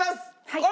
はい。